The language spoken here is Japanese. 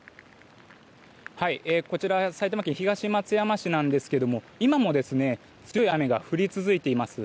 こちら埼玉県東松山市なんですけれども今も強い雨が降り続いています。